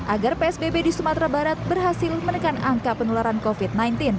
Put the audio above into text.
agar psbb di sumatera barat berhasil menekan angka penularan covid sembilan belas